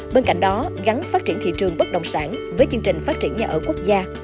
bên cạnh đó gắn phát triển thị trường bất động sản với chương trình phát triển nhà ở quốc gia